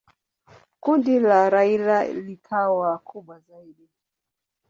Kundi la Raila likawa kubwa zaidi.